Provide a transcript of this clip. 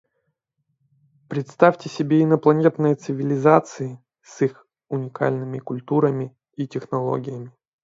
Представьте себе инопланетные цивилизации, с их уникальными культурами и технологиями.